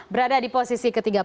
berada di posisi ke tiga puluh